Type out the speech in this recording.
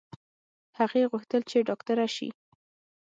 هغې غوښتل چې ډاکټره شي